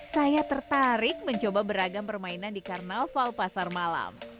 saya tertarik mencoba beragam permainan di karnaval pasar malam